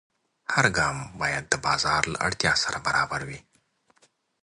هر ګام باید د بازار له اړتیا سره برابر وي.